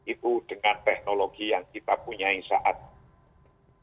itu dengan teknologi yang kita punya saat ini